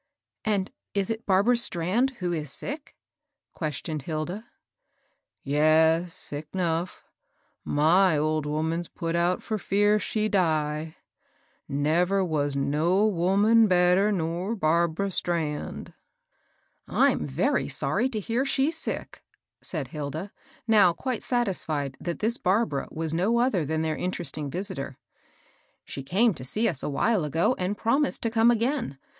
" And is it Barbara Strand who is sick ?'* ques tioned E[ilda. " Yes, sick 'nough. My old woman's put out for fear she die. Never was no woman better nor Barbara Strand 1" I'm very sorry to hear she's sick," said Hilda, now quite satisfied that this Barbara was no other than their interesting visitor, " She came to see THB RAG MERCRANTS. 845 BS a while ago, and promised to come again.